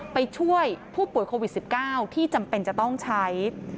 ไปช่วยผู้ป่วยโควิด๑๙ที่จำเป็นจะต้องใช้